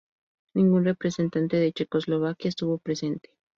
Ningún representante de Checoslovaquia estuvo presente.